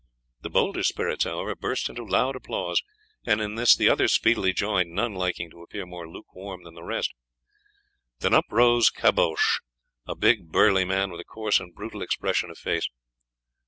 The bolder spirits, however, burst into loud applause, and in this the others speedily joined, none liking to appear more lukewarm than the rest. Then up rose Caboche, a big, burly man with a coarse and brutal expression of face.